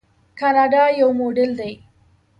کاناډا یو موډل دی.